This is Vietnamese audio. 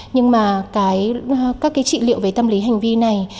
nhưng mà các cái trị liệu về tâm lý hành vi này